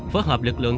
phối hợp lực lượng